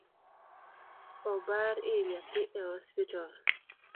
Obar i nyathi e osiptal